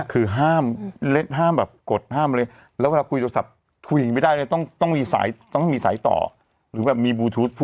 คือห้ามกดห้ามอะไร